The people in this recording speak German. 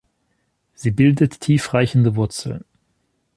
Sie bildet tiefreichende Wurzeln.